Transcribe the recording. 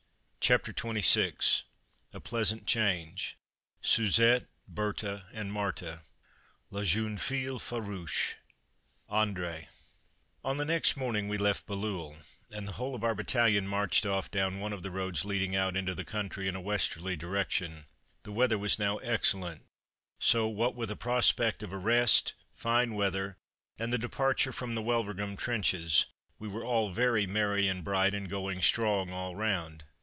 CHAPTER XXVI A PLEASANT CHANGE SUZETTE, BERTHE AND MARTHE "LA JEUNE FILLE FAROUCHE" ANDRÉ On the next morning we left Bailleul, and the whole of our battalion marched off down one of the roads leading out into the country in a westerly direction. The weather was now excellent; so what with a prospect of a rest, fine weather and the departure from the Wulverghem trenches, we were all very merry and bright, and "going strong" all round.